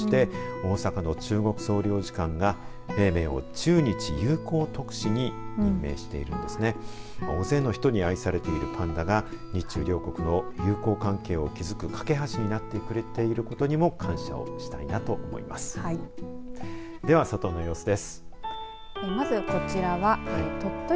大勢の人に愛されているパンダが日中両国の友好関係を築くかけ橋になってくれていることでも感謝をしたいなと思います。